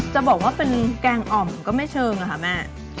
จะบอกว่าเป็นแกงอ่อมก็ไม่เชิงอะค่ะแม่